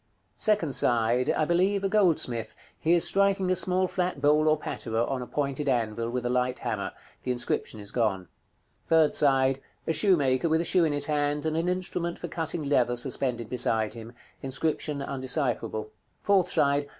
Second side. I believe, a goldsmith; he is striking a small flat bowl or patera, on a pointed anvil, with a light hammer. The inscription is gone. Third side. A shoemaker with a shoe in his hand, and an instrument for cutting leather suspended beside him. Inscription undecipherable. _Fourth side.